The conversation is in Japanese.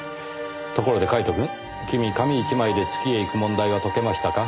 ところでカイトくん君紙１枚で月へ行く問題は解けましたか？